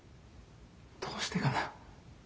どうしてかな。